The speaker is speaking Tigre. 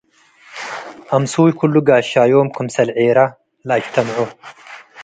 አምሱይ ክሉ ጋሻዮም ክምሰል ዔረ ለአጅተምዖ ።